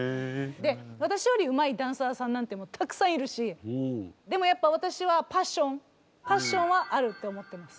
で私よりうまいダンサーさんなんてたくさんいるしでもやっぱ私はパッションパッションはあるって思ってます。